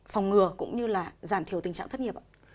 phòng ngừa cũng như là giảm thiểu tình trạng thất nghiệp ạ